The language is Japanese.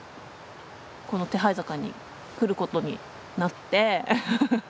この手這坂に来ることになって。